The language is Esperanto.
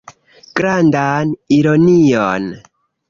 Grandan ironion.